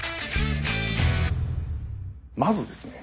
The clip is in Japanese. まずですね。